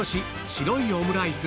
白いオムライス